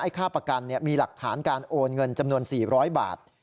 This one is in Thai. ค่าประกันมีหลักฐานการโอนเงินจำนวน๔๐๐บาท